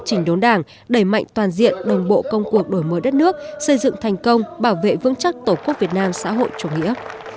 chỉnh đốn đảng đẩy mạnh toàn diện đồng bộ công cuộc đổi mới đất nước xây dựng thành công bảo vệ vững chắc tổ quốc việt nam xã hội chủ nghĩa